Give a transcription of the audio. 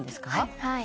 はい。